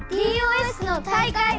Ｄ．Ｏ．Ｓ．の大会